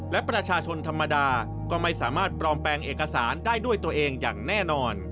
และประชาชนธรรมดาก็ไม่สามารถปลอมแปลงเอกสารได้ด้วยตัวเองอย่างแน่นอน